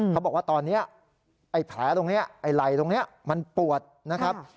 เขาบอกว่าตอนนี้ไอ้แผลตรงนี้ไอ้ไหล่ตรงนี้มันปวดนะครับ